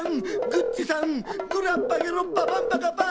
グッチさん」「グラッパゲロッパバンバカバン」